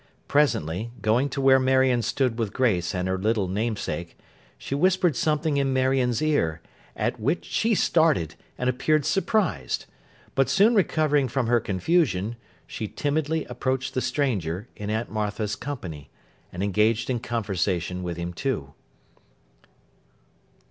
Presently, going to where Marion stood with Grace and her little namesake, she whispered something in Marion's ear, at which she started, and appeared surprised; but soon recovering from her confusion, she timidly approached the stranger, in Aunt Martha's company, and engaged in conversation with him too.